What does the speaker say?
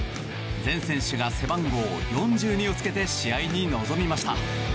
全選手が背番号４２をつけて試合に臨みました。